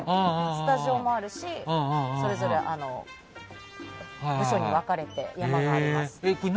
スタジオもあるしそれぞれ部署に分かれて山があります。